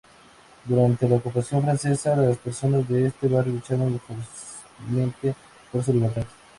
Durante la ocupación francesa, las personas de este barrio lucharon ferozmente por su libertad.